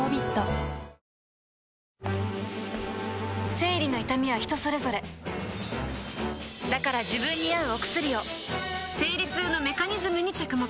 生理の痛みは人それぞれだから自分に合うお薬を生理痛のメカニズムに着目